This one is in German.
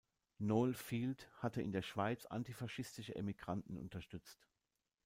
Noel Field hatte in der Schweiz antifaschistische Emigranten unterstützt.